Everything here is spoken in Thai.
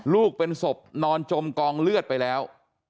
ลูกเป็นศพนอนจมกองเลือดไปแล้ว